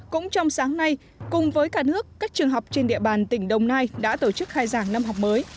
cũng trong sáng nay cùng với cả nước các trường học trên địa bàn tỉnh đồng nai đã tổ chức khai giảng năm học mới